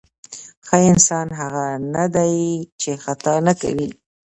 ښه انسان هغه نه دی چې خطا نه کوي.